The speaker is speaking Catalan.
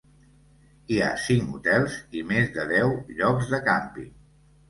Hi ha cinc hotels i més de deu llocs de càmping.